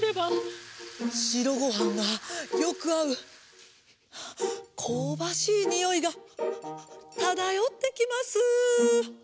しろごはんがよくあうこうばしいにおいがただよってきます。